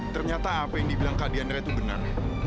ternyata apa yang dibilang kak diandra itu benar